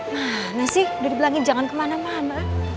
nah sih udah dibilangin jangan kemana mana